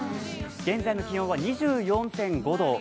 現在の気温は２４．５度。